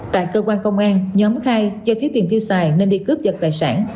tại cơ quan công an nhóm khai do thiếu tiền tiêu xài nên đi cướp giật tài sản